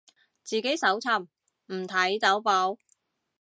自己搜尋，唔睇走寶